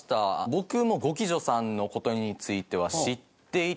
僕も五鬼助さんの事については知っていて。